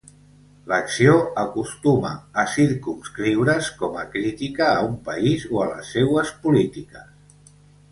L'acció acostuma a circumscriure's com a crítica a un país o a les seues polítiques.